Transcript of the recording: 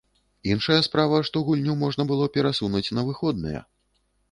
Іншая справа, што гульню можна было перасунуць на выходныя.